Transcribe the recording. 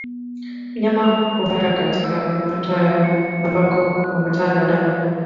Mnyama kuhara katika hatua ya hatari ambako huambatana na damu